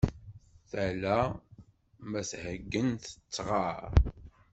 Tala ma tḥeggen tettɣar!